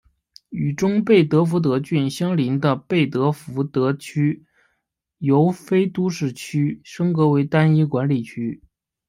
与中贝德福德郡相邻的贝德福德区由非都市区升格为单一管理区。